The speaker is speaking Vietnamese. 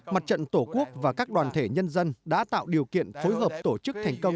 mặt trận tổ quốc và các đoàn thể nhân dân đã tạo điều kiện phối hợp tổ chức thành công